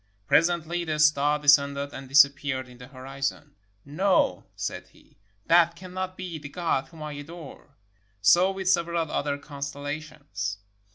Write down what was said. Presently the star descended and disap peared in the horizon. ''No," said he, "that cannot be the God whom I adore." So with several other constel lations.